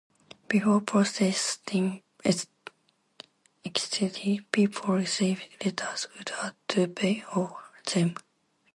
Before postage stamps existed, people receiving letters would have to pay for them.